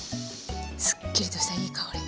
すっきりとしたいい香り。